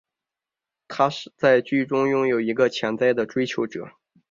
她在剧中拥有一个潜在追求者。